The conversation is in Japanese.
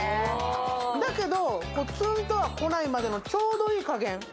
だけどツンとは来ないまでも、ちょうどいい加減。